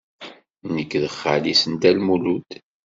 Nekk d xali-s n Dda Lmulud.